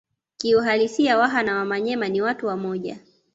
Kiuhalisia Waha na Wamanyema ni watu wamoja